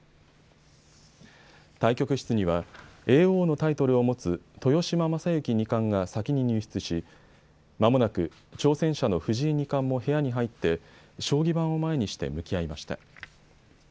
対局室には、叡王のタイトルを持つ豊島将之二冠が先に入室しまもなく挑戦者の藤井二冠も部屋に入って将棋盤を前にして向き合いました。